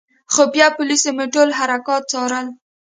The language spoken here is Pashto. خفیه پولیسو مې ټول حرکات څارل.